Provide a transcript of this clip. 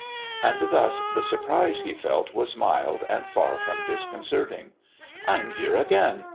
And thus the surprise he felt was mild and far from disconcerting. "I'm here again!"